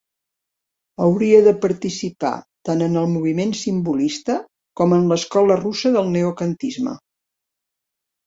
Hauria de participar tant en el moviment simbolista com en l'escola russa del neokantisme.